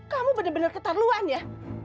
kamu benar benar keterluan ya